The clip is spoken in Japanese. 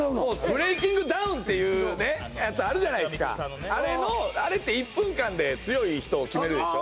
ＢＲＥＡＫＩＮＧＤＯＷＮっていうねやつあるじゃないですかあれのあれって１分間で強い人を決めるでしょ？